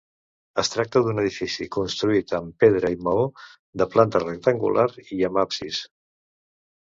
Es tracta d'un edifici construït amb pedra i maó, de planta rectangular i amb absis.